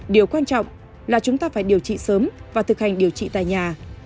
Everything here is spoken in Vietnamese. điều quan trọng là chúng ta phải điều trị sớm và thực hành điều trị tại nhà